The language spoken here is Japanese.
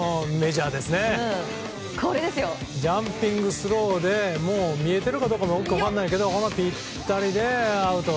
ジャンピングスローで見えているかどうかも分からなないけどぴったりでアウト。